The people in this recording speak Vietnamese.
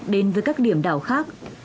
đến với các điểm đảo khác